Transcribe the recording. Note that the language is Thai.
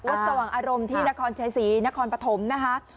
สว่างอารมณ์ที่นครชัยศรีนครปฐมนะคะ